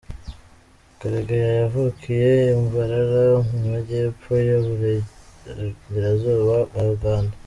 Karegeya yavukiye i Mbarara mu Majyepfo y’Uburengerazuba bwa Uganda.